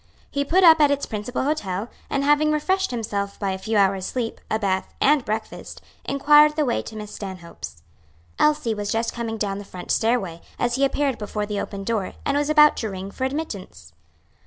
He put up at its principal hotel, and having refreshed himself by a few hours' sleep, a bath, and breakfast, inquired the way to Miss Stanhope's. Elsie was just coming down the front stairway, as he appeared before the open door, and was about to ring for admittance.